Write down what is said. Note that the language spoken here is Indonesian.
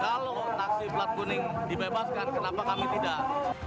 kalau taksi plat kuning dibebaskan kenapa kami tidak